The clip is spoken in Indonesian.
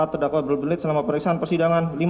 empat terdakwa berbelit selama periksaan persidangan